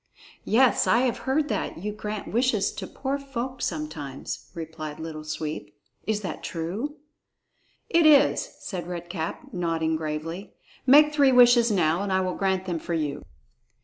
"Yes, I have heard that you grant wishes to poor folk sometimes," replied Little Sweep; "is that true?" "It is," said Red Cap, nodding gravely. "Make three wishes now, and I will grant them for you."